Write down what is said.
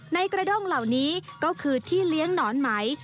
ในกระด้งเหล่านี้ก็คือที่เลี้ยงหนอนไหม